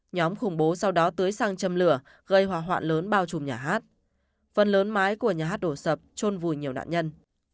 nhóm khủng bố sau đó tưới sang châm lửa gây hỏa hoạn lớn bao trùm nhà hát phần lớn mái của nhà hát đổ sập trôn vùi nhiều nạn nhân